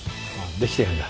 できてるんだ。